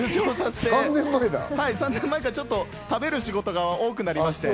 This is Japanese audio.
３年前から食べる仕事が多くなりまして。